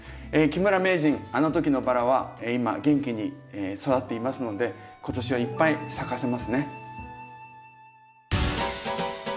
木村名人あの時のバラは今元気に育っていますので今年はいっぱい咲かせますね。